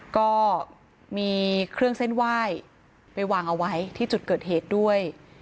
ก็มีเครื่องเส้นไหว้ไปวางเอาไว้ที่จุดเกิดเหตุด้วย